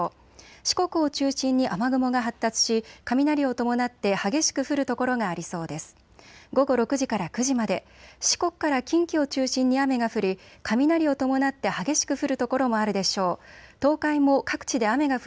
四国を中心に雨雲が発達し雷を伴って激しく降る所がありそうです。